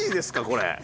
これ。